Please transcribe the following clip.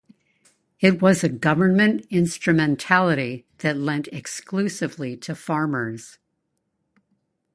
It was a government instrumentality that lent exclusively to farmers.